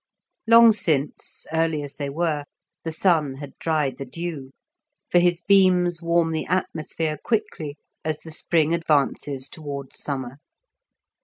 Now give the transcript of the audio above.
Long since, early as they were, the sun had dried the dew, for his beams warm the atmosphere quickly as the spring advances towards summer.